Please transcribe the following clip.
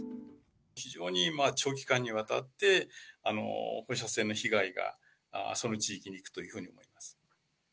非常に長期間にわたって、放射線の被害が、その地域に行くというふうに思います。